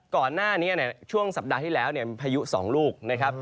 ก่อนหน้านี้ช่วงสัปดาห์ที่แล้วพายุ๒ลูกนะครับ